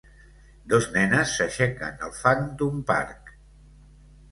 Dos nenes s'aixequen al fang d'un parc.